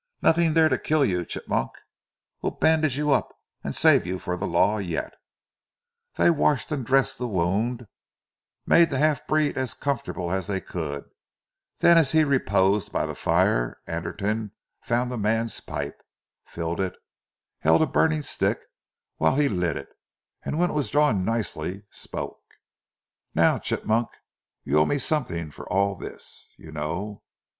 "Nothing there to kill you, Chigmok. We'll bandage you up, and save you for the Law yet?" They washed and dressed the wound, made the half breed as comfortable as they could; then as he reposed by the fire, Anderton found the man's pipe, filled it, held a burning stick whilst he lit it, and when it was drawing nicely, spoke: "Now, Chigmok, you owe me something for all this, you know.